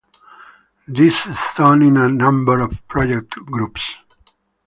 This is done in a number of project groups.